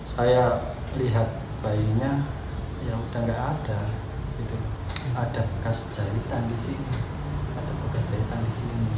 saya lihat bayinya yaudah tidak ada ada kas jahitan di sini